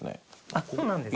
「あっそうなんです」